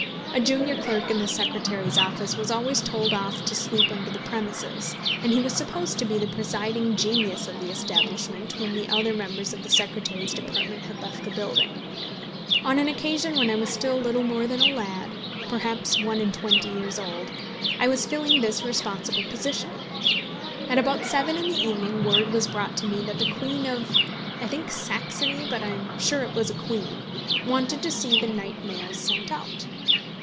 A junior clerk in the secretary's office was always told off to sleep upon the premises, and he was supposed to be the presiding genius of the establishment when the other members of the Secretary's department had left the building. On an occasion when I was still little more than a lad, perhaps one and twenty years old, I was filling this responsible position. At about seven in the evening word was brought to me that the Queen of, I think Saxony, but I am sure it was a Queen, wanted to see the night mails sent out.